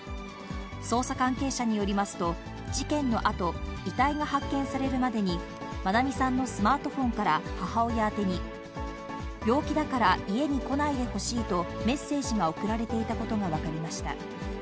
捜査関係者によりますと、事件のあと、遺体が発見されるまでに、愛美さんのスマートフォンから母親宛てに、病気だから家に来ないでほしいと、メッセージが送られていたことが分かりました。